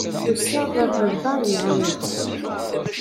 Usiɣ-d ad ḍelbeɣ lemɛawna-k.